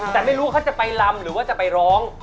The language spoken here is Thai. แต่ไม่รู้ว่าเขาจะไปลำหรือว่าจะไปร้อง